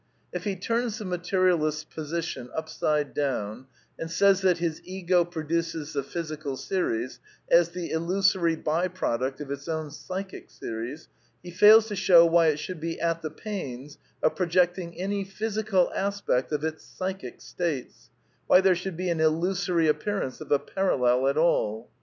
If he turns the materialist's position upside down and says that his ego produces the physical series as the illusory by product of its own psychic series, he fails to show why it should be at — f^ the pains of projecting any physical aspect of its psychic states, why tiiere should be an illusory appearance of a parallel at all.